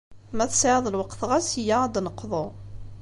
Ma tesεiḍ lweqt, ɣas yya ad d-neqḍu.